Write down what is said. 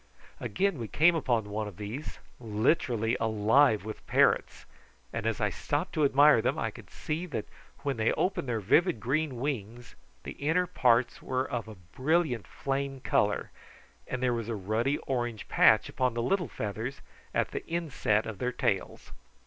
Again we came upon one of these, literally alive with parrots; and, as I stopped to admire them, I could see that when they opened their vivid green wings the inner parts were of a brilliant flame colour, and there was a ruddy orange patch upon the little feathers at the inset of their tails.